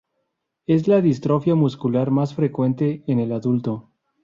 Es la distrofia muscular más frecuente en el adulto.